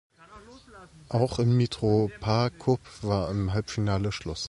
Auch im Mitropacup war im Halbfinale Schluss.